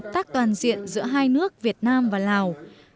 tác toàn diện giữa hai nước việt nam và lào